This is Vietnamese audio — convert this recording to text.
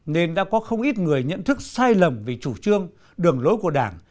nên đã có không ít người nhận thức sai lầm về chủ trương đường lối của đảng